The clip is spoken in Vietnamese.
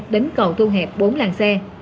đến cầu thu hẹp bốn làng xe